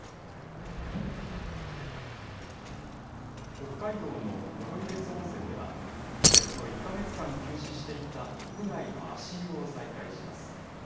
北海道の登別温泉では、およそ１か月間休止していた屋外の足湯を再開します。